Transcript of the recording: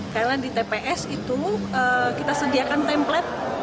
karena di tps itu kita sediakan template